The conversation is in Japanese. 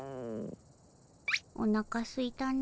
おなかすいたの。